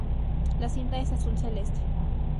La cinta es azul celeste.